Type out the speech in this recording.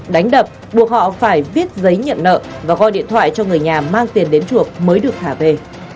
đánh đập buộc họ phải viết giấy nhận nợ và gọi điện thoại cho người nhà mang tiền đến chuộc mới được thả về